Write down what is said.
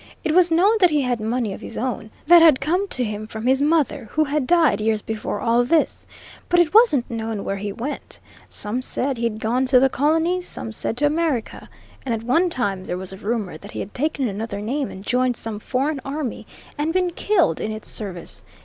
It was known that he had money of his own, that had come to him from his mother, who had died years before all this. But it wasn't known where he went. Some said he'd gone to the Colonies; some said to America. And at one time there was a rumour that he'd taken another name and joined some foreign army, and been killed in its service.